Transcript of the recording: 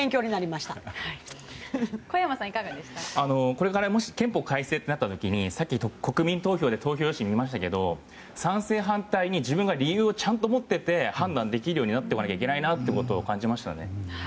これからもし憲法改正となった時にさっき国民投票投票用紙を見ましたけど賛成、反対に自分が理由をちゃんと持ってて判断できるようになっておかないといけないと感じましたね。